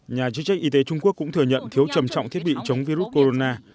nhà chức trách y tế trung quốc cũng thừa nhận thiếu trầm trọng thiết bị chống virus corona